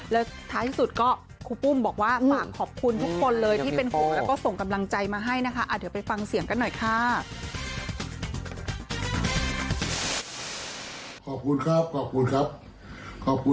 แล้วท้ายท้ายสุดก็ครูปุ้มบอกว่าขอบคุณทุกคนเลยที่เป็นครู